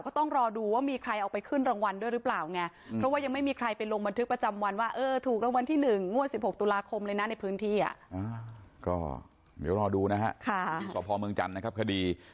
โปรดติดตามตอนต่อไป